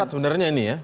sebenarnya ini ya